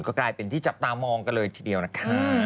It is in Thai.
ก็กลายเป็นที่จับตามองกันเลยทีเดียวนะคะ